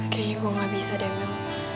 kayaknya gue gak bisa demel